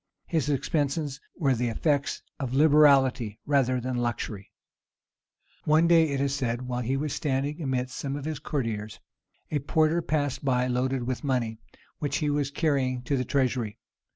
His expenses were the effects of liberality, rather than of luxury. One day, it is said, while he was standing amidst some of his courtiers, a porter passed by, loaded with money, which he was carrying to the treasury.